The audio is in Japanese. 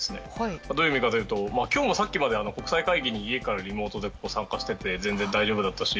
どういう意味かというと今日もさっきまで国際会議に家からリモートで参加してて全然大丈夫だったし。